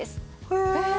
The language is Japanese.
へえ。